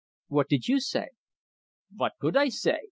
"What did you say?" "Vot could I say?